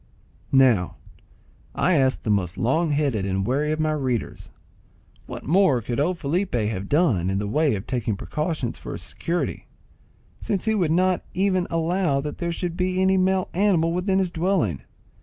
Now, I ask the most long headed and wary of my readers, what more could old Felipe have done in the way of taking precautions for his security, since he would not even allow that there should be any male animal within his dwelling?